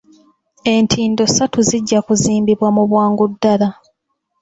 Entindo ssatu zijja kuzimbibwa mu bwangu ddala.